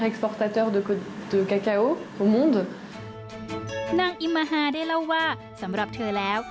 อิมมาฮาได้เล่าว่าสำหรับเธอแล้ว